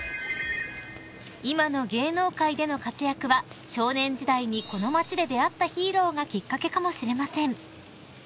［今の芸能界での活躍は少年時代にこの街で出会ったヒーローがきっかけかもしれません］